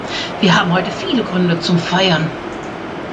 Wir haben heute viele Gründe zum Feiern.